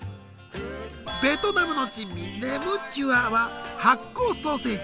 ベトナムの珍味ネムチュアは発酵ソーセージ。